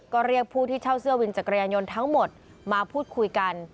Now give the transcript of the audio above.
ก็เรียกผู้ที่เช่าเสื้อวินจักรยานยนต์ทั้งหมดมาพูดคุยกัน